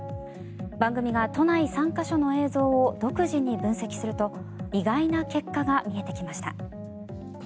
番組が都内３か所の映像を独自に分析すると意外な結果が見えてきました。